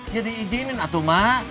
ya diijinin atuh mak